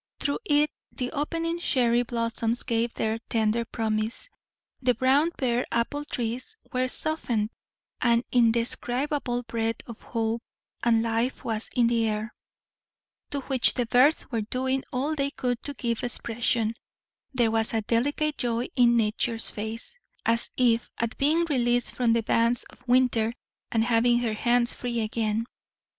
Through it the opening cherry blossoms gave their tender promise; the brown, bare apple trees were softened; an indescribable breath of hope and life was in the air, to which the birds were doing all they could to give expression; there was a delicate joy in Nature's face, as if at being released from the bands of Winter and having her hands free again.